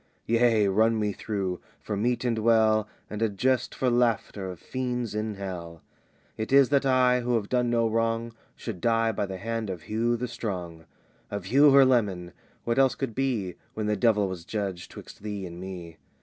"Yea, run me through! for meet and well, And a jest for laughter of fiends in Hell, "It is that I, who have done no wrong, Should die by the hand of Hugh the Strong, "Of Hugh her leman! What else could be When the devil was judge 'twixt thee and me?